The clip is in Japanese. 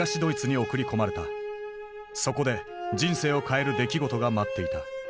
そこで人生を変える出来事が待っていた。